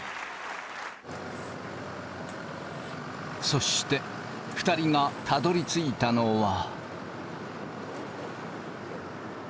そして２人がたどりついたのは。